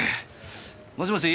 もしもし？